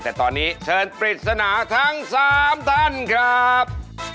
แต่ตอนนี้เชิญปริศนาทั้ง๓ท่านครับ